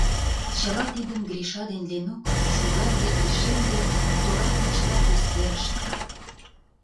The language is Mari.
Чыла тидым Гриша ден Ленук, шӱгар дек лишемде, тора пичрак эскерышт.